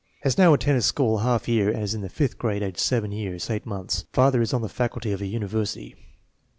Has now attended school a half year and is in the fifth grade, age 7 years, 8 months. Father is on the faculty of a university.